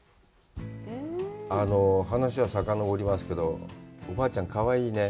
話をさかのぼりますけど、おばあちゃん、かわいいね。